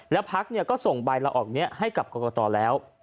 แล้วพักก็ส่งใบละออกนี้ให้กับกรกตแล้ว